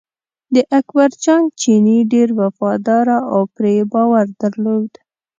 د اکبر جان چینی ډېر وفاداره و پرې یې باور درلود.